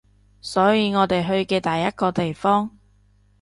所以我哋去嘅第一個地方